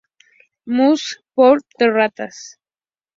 Musik pour the ratas